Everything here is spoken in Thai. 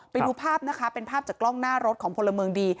ไปดูภาพนะคะเป็นภาพจากกล้องหน้ารถของพลเมืองดี